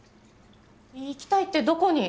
行きたいってどこに？